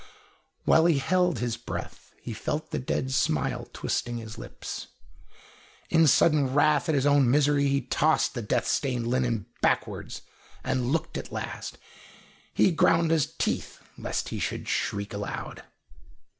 While he held his breath he felt the dead smile twisting his lips. In sudden wrath at his own misery, he tossed the death stained linen backward, and looked at last. He ground his teeth lest he should shriek aloud.